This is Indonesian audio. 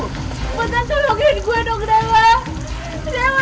gua tak tolongin gua enggak kerewa